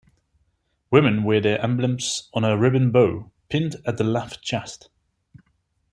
Women wear their emblems on a ribbon bow pinned at the left chest.